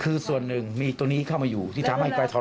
คือส่วนหนึ่งมีตัวนี้เข้ามาอยู่ที่ทำให้ไฟทร